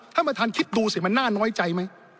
ท่านประธานคิดดูสิมันน่าน้อยใจไหม